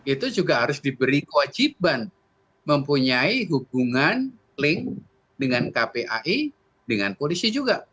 itu juga harus diberi kewajiban mempunyai hubungan link dengan kpai dengan polisi juga